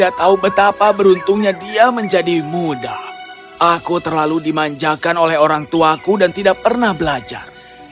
aku tahu betapa beruntungnya dia menjadi muda aku terlalu dimanjakan oleh orangtuaku dan tidak pernah belajar